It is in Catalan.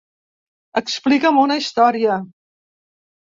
Explica'm una història.